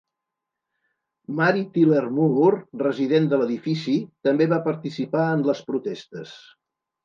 Mary Tyler Moore, resident de l'edifici, també va participar en les protestes.